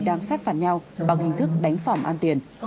đang sát phạt nhau bằng hình thức đánh phòng an tiền